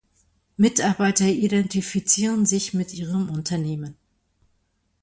Mitarbeiter identifizieren sich mit ihrem Unternehmen.